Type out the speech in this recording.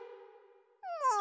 もう！